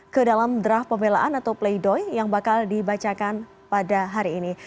ke dalam draft pembelaan atau play doh yang bakal dibacakan pada hari ini